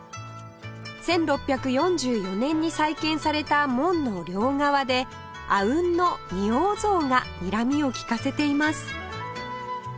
１６４４年に再建された門の両側で阿吽の二王像がにらみを利かせています